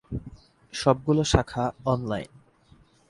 সবগুলো শাখা অনলাইন।